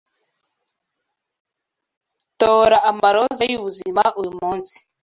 Tora amaroza yubuzima uyumunsi.